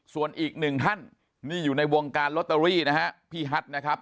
ส่วนอีกหนึ่งท่านนี่อยู่ในวงการลอตเตอรี่นะฮะพี่ฮัทนะครับ